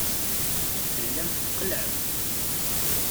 Tellamt tqellɛemt.